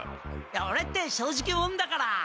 オレって正直もんだから。